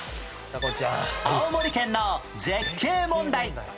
青森県の絶景問題